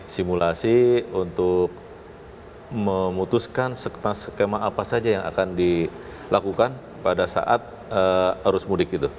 simulasi untuk memutuskan skema apa saja yang akan dilakukan pada saat arus mudik itu